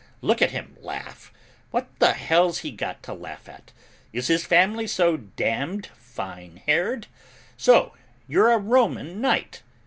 Look at him laugh! What the hell's he got to laugh at? Is his family so damned fine haired? So you're a Roman knight!